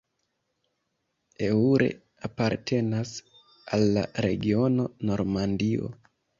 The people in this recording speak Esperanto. Eure apartenas al la regiono Normandio.